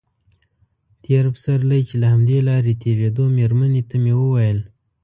تېر پسرلی چې له همدې لارې تېرېدو مېرمنې ته مې ویل.